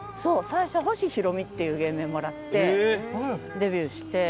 最初は星ひろみっていう芸名もらってデビューして。